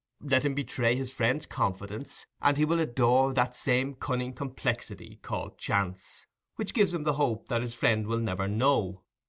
Let him betray his friend's confidence, and he will adore that same cunning complexity called Chance, which gives him the hope that his friend will never know.